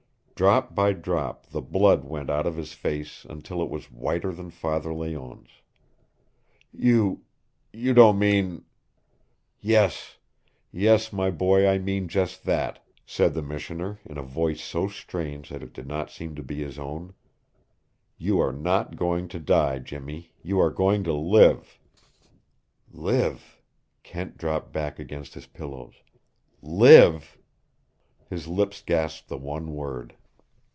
Drop by drop the blood went out of his face until it was whiter than Father Layonne's. "You you don't mean " "Yes, yes, boy, I mean just that," said the missioner, in a voice so strange that it did not seem to be his own. "You are not going to die, Jimmy. You are going to live!" "Live!" Kent dropped back against his pillows. "LIVE!" His lips gasped the one word.